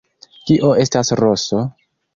Kio estas roso?